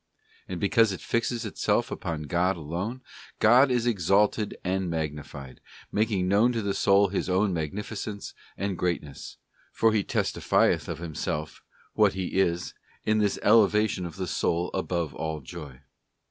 And because it fixes itself upon God alone, God is exalted and magnified, making known to the soul His own Magnificence and Greatness; for He testifieth of Himself, what He is, in this elevation of the soul above all joy.